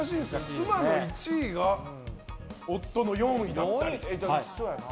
妻の１位が夫の４位だったり。